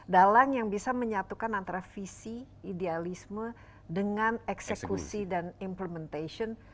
dalang yang bisa menyatukan antara visi idealisme dengan eksekusi dan implementation